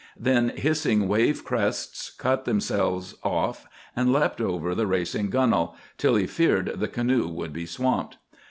Then hissing wave crests cut themselves off and leapt over the racing gunwale, till he feared the canoe would be swamped.